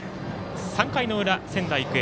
３回の裏、仙台育英。